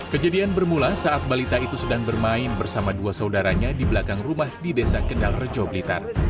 kejadian bermula saat balita itu sedang bermain bersama dua saudaranya di belakang rumah di desa kendal rejo blitar